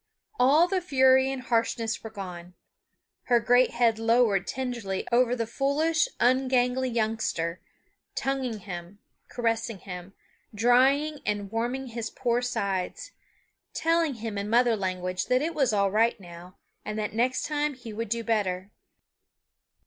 All the fury and harshness were gone. Her great head lowered tenderly over the foolish, ungainly youngster, tonguing him, caressing him, drying and warming his poor sides, telling him in mother language that it was all right now, and that next time he would do better.